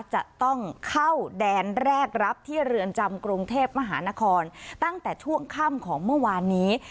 จะต้องเข้าแดนแรกรับที่เรือนจำกรุงเทพมหานครตั้งแต่ช่วงค่ำของเมื่อวานนี้